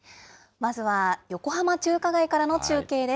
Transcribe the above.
まずは横浜中華街からの中継です。